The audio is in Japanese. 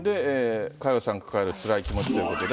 佳代さんが抱えるつらい気持ちということで。